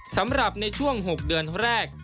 สำหรับในช่วง๖เดือนแรก